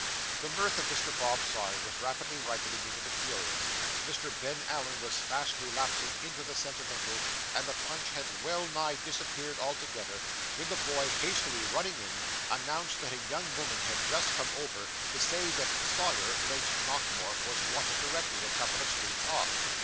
The mirth of Mr. Bob Sawyer was rapidly ripening into the furious, Mr. Ben Allen was fast relapsing into the sentimental, and the punch had well nigh disappeared altogether, when the boy hastily running in, announced that a young woman had just come over, to say that Sawyer late Nockemorf was wanted directly, a couple of streets off.